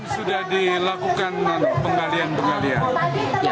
sudah dilakukan penggalian penggalian